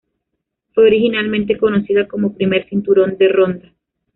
Fue originalmente conocida como Primer Cinturón de Ronda.